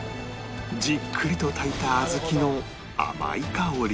じっくりと炊いた小豆の甘い香り